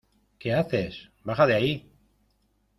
¿ Qué haces? ¡ baja de ahí!